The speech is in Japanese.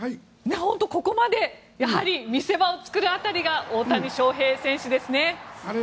ここまでやはり見せ場を作る辺りが大谷翔平選手ですね。